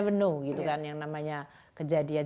karena we never know gitu kan yang namanya kejadian